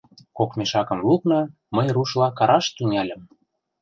Кок мешакым лукна, мый рушла караш тӱҥальым: